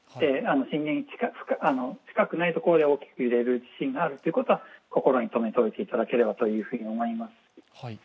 震源深くないところで大きく揺れる地震があるということを心にとめておいていただければと思います。